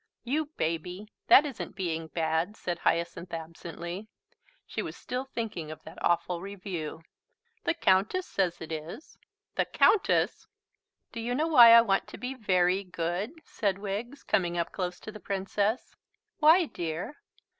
"You baby! That isn't being bad," said Hyacinth absently. She was still thinking of that awful review. "The Countess says it is." "The Countess!" "Do you know why I want to be very good?" said Wiggs, coming up close to the Princess. "Why, dear?"